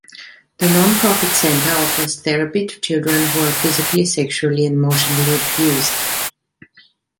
The non-profit center offers therapy to children who are physically, sexually and emotionally abused.